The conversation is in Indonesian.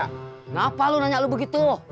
kenapa lu nanya lo begitu